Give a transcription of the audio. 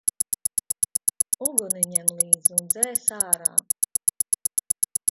Uguni ņem līdz un dzēs ārā!